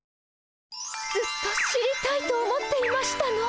ずっと知りたいと思っていましたの。